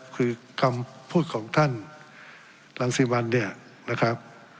คือคำพูดของท่านรังสิวันเนี่ยนะครับ